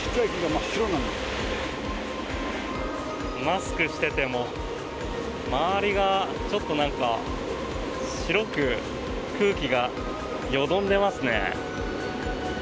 マスクしてても周りがちょっと、なんか白く空気がよどんでますね。